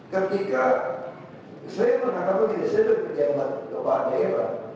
ketika saya menganggap ini saya berjalan ke bandera